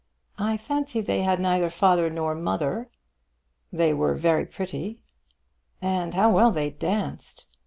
I fancy they had neither father nor mother." "They were very pretty." "And how well they danced!